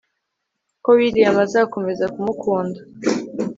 ko william azakomeza kumukunda